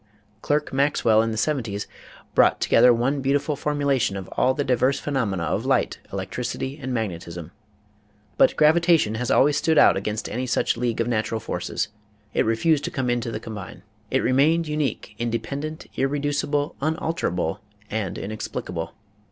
Clerk Maxwell in the seventies brought together in one beau tiful formulation all the diverse phenomena of light, electricity and magnetism. But gravitation has always stood out against any such league of natural' forces. It refused to come into the combine. It remained unique, independent, irre ducible, unalterable and inexplicable.